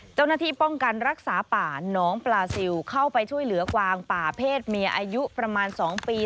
เจ้าหน้าที่ป้องกันรักษาป่าน้องปลาซิลเข้าไปช่วยเหลือกวางป่าเพศเมียอายุประมาณ๒ปี